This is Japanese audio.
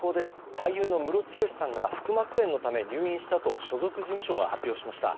俳優のムロツヨシさんが腹膜炎のため入院したと所属事務所が発表しました。